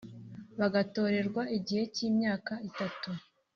bagatorerwa igihe cy imyaka itatu